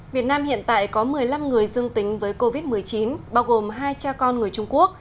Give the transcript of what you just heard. việt nam hiện tại có một mươi năm người dương tính với covid một mươi chín bao gồm hai cha con người trung quốc